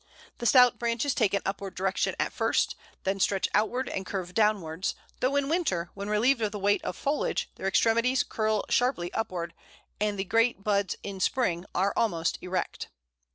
The stout branches take an upward direction at first, then stretch outward and curve downwards, though in winter, when relieved of the weight of foliage, their extremities curl sharply upward, and the great buds in spring are almost erect.